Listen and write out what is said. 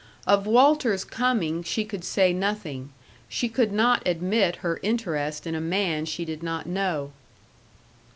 Of Walter's coming she could say nothing; she could not admit her interest in a man she did not know.